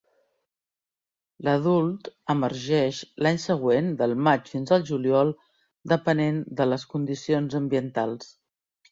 L'adult emergeix l'any següent del maig fins al juliol, depenent de les condicions ambientals.